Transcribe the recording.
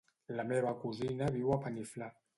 La meva cosina viu a Beniflà.